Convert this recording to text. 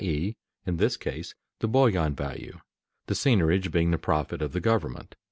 e._, in this case the bullion value), the seigniorage being the profit of the government.